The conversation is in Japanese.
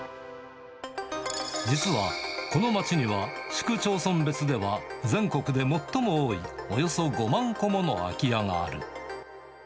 実は、この街には、市区町村別では全国で最も多いおよそ５万戸もの空き家がある。